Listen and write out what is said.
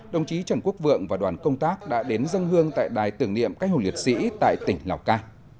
đồng chí trần quốc vượng và đoàn công tác đã đến dân hương tại đài tưởng niệm canh hùng liệt sĩ tại tỉnh lào cai